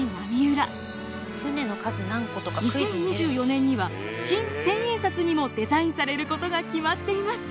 ２０２４年には新千円札にもデザインされることが決まっています。